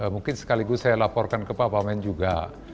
mungkin sekaligus saya laporkan ke pak wamen juga